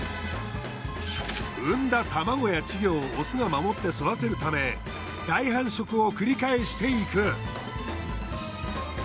産んだ卵や稚魚をオスが守って育てるため大繁殖を繰り返していく。